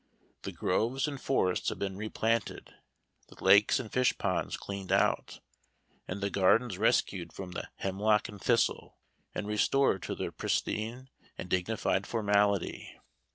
The groves and forests have been replanted; the lakes and fish ponds cleaned out, and the gardens rescued from the "hemlock and thistle," and restored to their pristine and dignified formality.